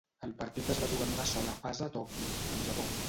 El partit es va jugar en una sola fase a Tòquio, el Japó.